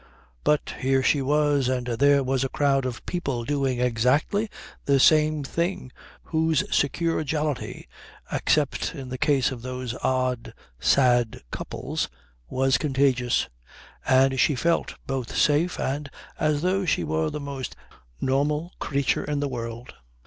But here she was, and there was a crowd of people doing exactly the same thing whose secure jollity, except in the case of those odd, sad couples, was contagious, and she felt both safe and as though she were the most normal creature in the world.